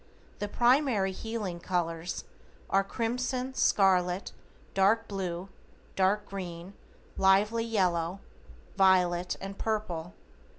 The primary healing colors are: Crimson, Scarlet, Dark Blue, Dark Green, Lively Yellow, Violet, and Purple.